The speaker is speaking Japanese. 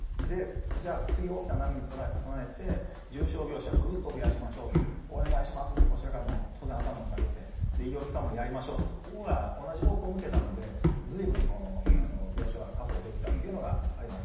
じゃあ、次大きな波に備えて重症病床をぐーっと増やしましょう、お願いしますと、こちらからも当然頭を下げて、医療機関もやりましょうと、ここがおおよそ方向を向けたので、ずいぶん病床が確保できたというのがあります。